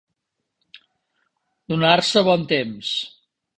Donar-se bon temps.